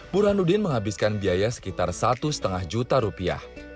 burhanuddin menghabiskan biaya sekitar satu lima juta rupiah